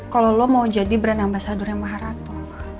kalo lo mau jadi berenang bahasa duremaharato